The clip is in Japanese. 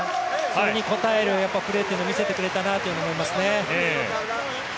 それに応えるプレーを見せてくれたなと思いますね。